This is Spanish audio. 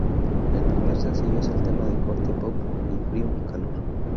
El primer sencillo es el tema de corte pop "Ni frío ni calor".